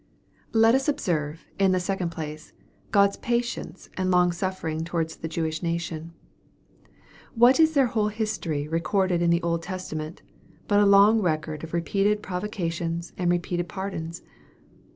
Let us observe, in the second place, God 's patience and longsuffering towards the Jewish nation. What is their whole history as recorded in the Old Testament, but a long record of repeated provocations, and repeated par dons